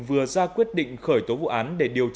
vừa ra quyết định khởi tố vụ án